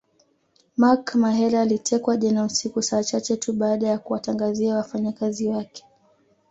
Mark Mahela alitekwa jana usiku saa chache tu baada ya kuwatangazia wafanyakazi wake